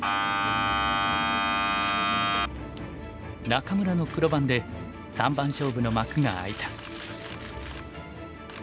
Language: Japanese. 仲邑の黒番で三番勝負の幕が開いた。